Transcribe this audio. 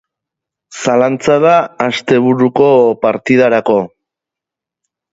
Zalantza da asteburuko partidarako.